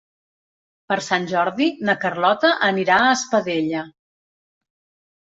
Per Sant Jordi na Carlota anirà a Espadella.